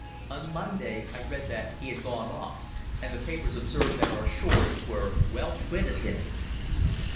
On Monday I read that he had gone off, and the papers observed that our shores were well quit of him.